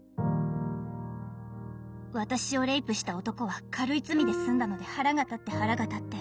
私をレイプした男は軽い罪で済んだので腹が立って腹が立って。